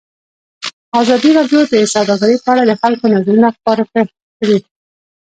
ازادي راډیو د سوداګري په اړه د خلکو نظرونه خپاره کړي.